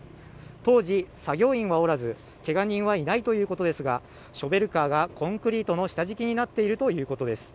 当時、作業員はおらずけが人はいないということですがショベルカーがコンクリートの下敷きになっているということです。